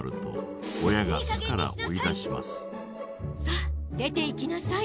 さあ出ていきなさい。